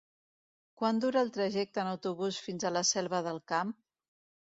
Quant dura el trajecte en autobús fins a la Selva del Camp?